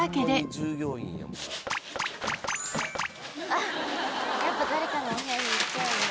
あっやっぱ誰かのお部屋に行っちゃうんだ。